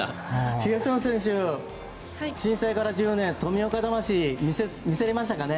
東野選手震災から１０年富岡魂見せれましたかね？